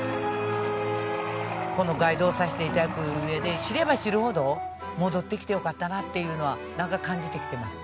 このガイドをさせて頂く上で知れば知るほど戻ってきてよかったなっていうのは感じてきてます。